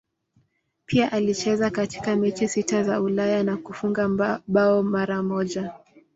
Pia alicheza katika mechi sita za Ulaya na kufunga bao mara moja.